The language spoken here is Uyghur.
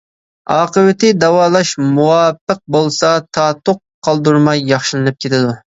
ئاقىۋىتى داۋالاش مۇۋاپىق بولسا، تاتۇق قالدۇرماي ياخشىلىنىپ كېتىدۇ.